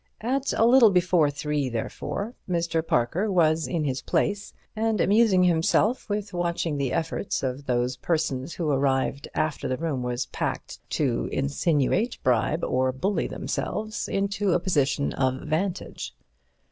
At a little before three, therefore, Mr. Parker was in his place, and amusing himself with watching the efforts of those persons who arrived after the room was packed to insinuate, bribe or bully themselves into a position of vantage.